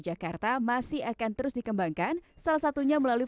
jakarta masih akan terus dikembangkan salah satunya melalui